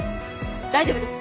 大丈夫です。